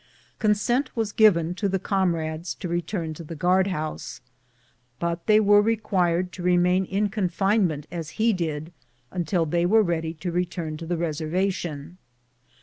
Consent was given to the comrades to return to the guard house, but tliey were required to remain in con finement as he did until they were ready to return to the reservatk>n.